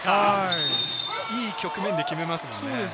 いい局面で決めますよね。